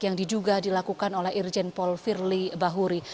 yang diduga dilakukan oleh irjen paul firly bahuri